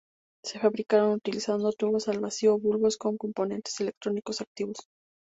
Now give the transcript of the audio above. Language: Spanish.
Se fabricaron utilizando tubos al vacío o bulbos como componentes electrónicos activos.